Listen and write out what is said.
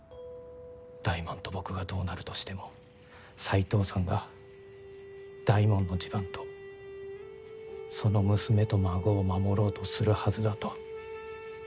大門と僕がどうなるとしても斎藤さんが大門の地盤とその娘と孫を守ろうとするはずだと。